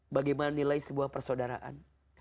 bagaimana nilai sebuah persaudaraan